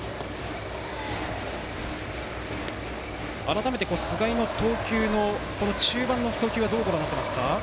改めて菅井の投球の中盤の投球はどうご覧になっていますか？